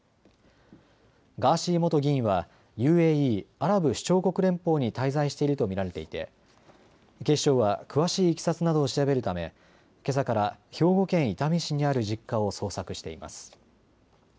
ガーシー元議員はＵＡＥ・アラブ首長国連邦に滞在していると見られていて警視庁は詳しいいきさつなどを調べるため、けさから兵庫県伊丹市にある実家を捜索しています。